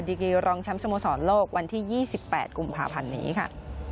กีรองแชมป์สโมสรโลกวันที่๒๘กุมภาพันธ์นี้ค่ะ